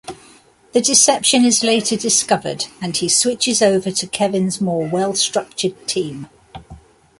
The deception is later discovered and he switches over to Kevin's more well-structured team.